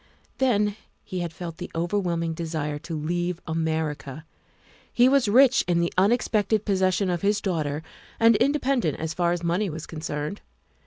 Then he had felt the overwhelming desire to leave America. He was rich in the unexpected possession of his daughter and independent as far as money was con cerned.